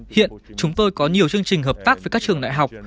hiện chúng tôi có nhiều chương trình hợp tác với các trường đại học